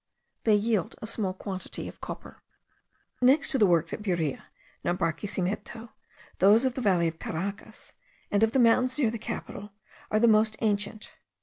They yield a small quantity of copper. Next to the works at Buria, near Barquisimeto, those of the valley of Caracas, and of the mountains near the capital, are the most ancient.